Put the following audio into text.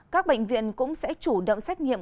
các bệnh viện cũng sẽ chủ động xét nghiệm